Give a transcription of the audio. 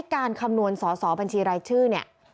การคำนวณสสบัญชีรายชื่อ